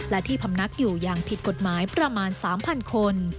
และที่พำนักอยู่อย่างผิดกฎหมายประมาณ๓๐๐คน